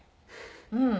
うん。